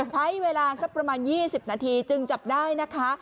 ใช้เวลาสักประมาณ๒๐นาทีจึงจับได้นะคะ